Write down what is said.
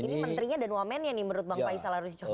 ini menterinya dan wamennya nih menurut bang faisal harus dicontoh